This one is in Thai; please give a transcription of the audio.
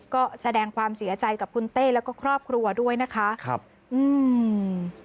ก็แสดงความเสียใจกับคุณเต้แล้วก็ครอบครัวด้วยนะคะครับอืม